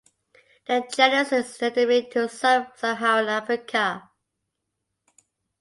The genus is endemic to Sub-Saharan Africa.